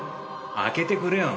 開けてくれよ。